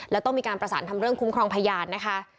แล้วต้องมีการประสานทำเรื่องคุ้มครองพยานนะคะ